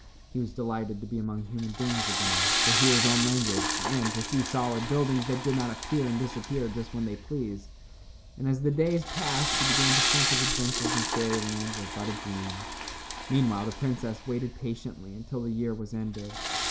He was delighted to be among human beings again, to hear his own language and to see solid buildings that did not appear and disappear just when they pleased, and as the days passed he began to think his adventures in fairyland were but a dream. Meanwhile, the princess waited patiently until the year was ended.